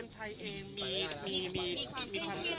สวัสดีครับ